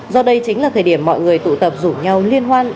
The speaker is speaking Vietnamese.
do đây chính là thời điểm mọi người tụ tập rủ nhau liên hoan